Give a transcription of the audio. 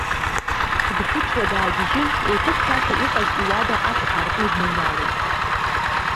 Дхәыцуа даагьежьын, еиқәыхьшәашәа иҟаз иуада ашә аартны дныҩналеит.